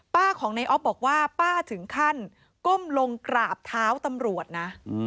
ของในออฟบอกว่าป้าถึงขั้นก้มลงกราบเท้าตำรวจนะ